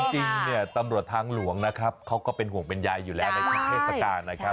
จริงเนี่ยตำรวจทางหลวงนะครับเขาก็เป็นห่วงเป็นยายอยู่แล้วในทุกเทศกาลนะครับ